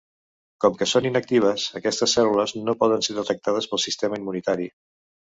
Com que són inactives, aquestes cèl·lules no poden ser detectades pel sistema immunitari.